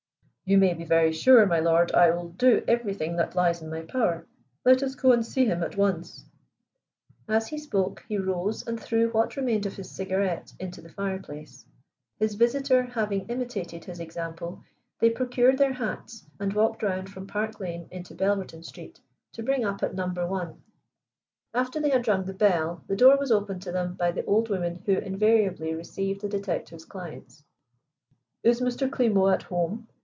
"You may be very sure, my lord, I will do everything that lies in my power. Let us go and see him at once." As he spoke he rose and threw what remained of his cigarette into the fireplace. His visitor having imitated his example, they procured their hats and walked round from Park Lane into Belverton Street to bring up at No. 1. After they had rung the bell and the door was opened to them by the old woman who invariably received the detective's clients. "Is Mr. Klimo at home?"